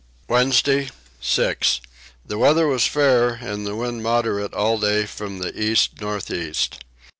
Wednesday 6. The weather was fair and the wind moderate all day from the east north east.